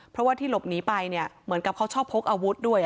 เพราะว่าที่หลบหนีไปเนี่ยเหมือนกับเขาชอบพกอาวุธด้วย